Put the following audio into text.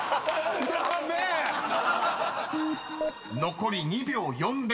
［残り２秒４０。